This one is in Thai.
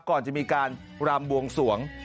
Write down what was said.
ก่อนจะมีการรำบวงสวง